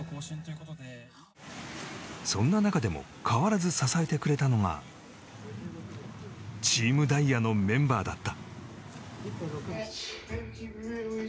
そんな中でも変わらず支えてくれたのがＴＥＡＭＤＡＩＹＡのメンバーだった。